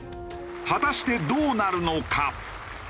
果たしてどうなるのか？